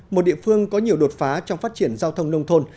một địa phương có nhiều đột phá trong phát triển giao thông nông thôn